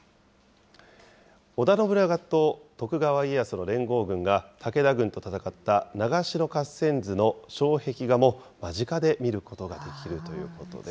織田信長と徳川家康の連合軍が武田軍と戦った長篠合戦図の障壁画も間近で見ることができるということです。